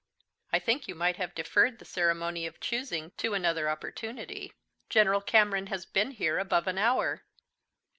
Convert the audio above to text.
"I think you might have deferred the ceremony of choosing to another opportunity. General Cameron has been here above an hour."